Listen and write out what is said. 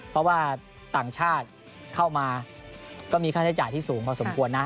เพราะว่าต่างชาติเข้ามาก็มีค่าใช้จ่ายที่สูงพอสมควรนะ